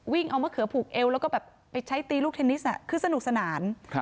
เอามะเขือผูกเอวแล้วก็แบบไปใช้ตีลูกเทนนิสคือสนุกสนาน